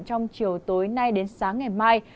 trong chiều tối nay đến sáng ngày mai